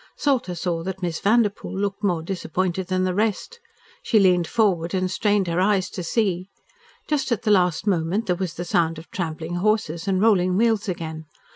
Salter saw that Miss Vanderpoel looked more disappointed than the rest. She leaned forward and strained her eyes to see. Just at the last moment there was the sound of trampling horses and rolling wheels again.